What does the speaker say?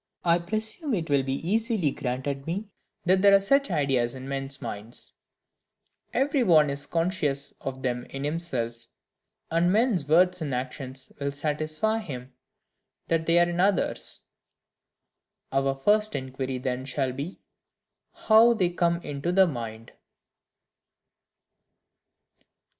I presume it will be easily granted me, that there are such IDEAS in men's minds: every one is conscious of them in himself; and men's words and actions will satisfy him that they are in others. Our first inquiry then shall be,—how they come into the mind.